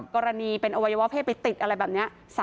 กรณีเป็นอวัยวะเพศไปติดอะไรแบบนี้